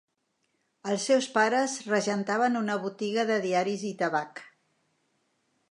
Els seus pares regentaven una botiga de diaris i tabac.